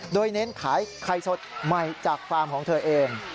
โดยเน้นขายไข่สดใหม่จากฟาร์มของเธอเอง